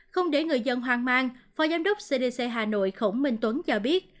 không để người dân hoang mang phó giám đốc cdc hà nội khổng minh tuấn cho biết